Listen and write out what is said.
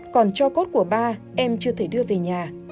còn cho cốt của ba em chưa thể đưa về nhà